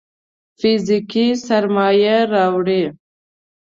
فزيکي سرمايه راوړي.